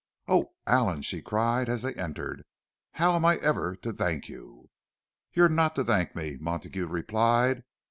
"Oh, Allan!" she cried, as they entered. "How am I ever to thank you?" "You're not to thank me," Montague replied.